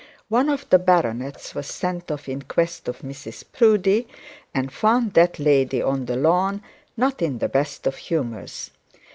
One of the baronets was sent off in quest of Mrs Proudie, and found that lady on the lawn not in the best of humours.